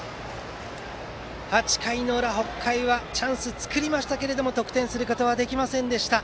８回の裏、北海はチャンスを作りましたが得点することができませんでした。